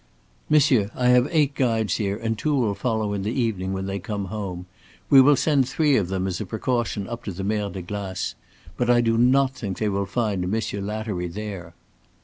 "Monsieur, I have eight guides here and two will follow in the evening when they come home. We will send three of them, as a precaution, up the Mer de Glace. But I do not think they will find Monsieur Lattery there."